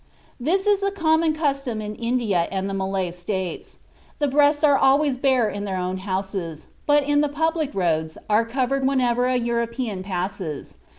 This is the common custom in India and the Malay States. The breasts are always bare in their own houses, but in the public roads are covered whenever a European passes.